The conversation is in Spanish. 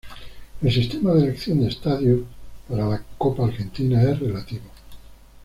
El sistema de elección de estadios para la Copa Argentina es relativo.